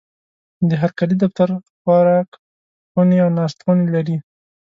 د هرکلي دفتر، خوراکخونې او ناستخونې لري.